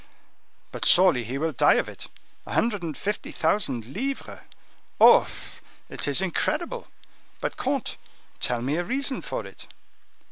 "But surely he will die of it. A hundred and fifty thousand livres! Oh, it is incredible! But, comte, tell me a reason for it?"